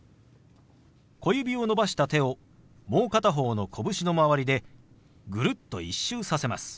小指を伸ばした手をもう片方の拳の周りでぐるっと１周させます。